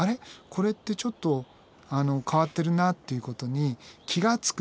これってちょっと変わってるなっていうことに気が付く。